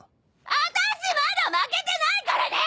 あたしまだ負けてないからね！